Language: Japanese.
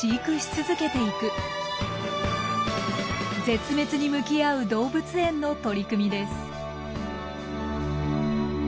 絶滅に向き合う動物園の取り組みです。